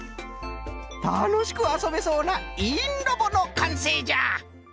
たのしくあそべそうな「いいんロボ」のかんせいじゃ。